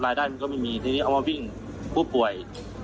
ได้มันก็ไม่มีทีนี้เอามาวิ่งผู้ป่วย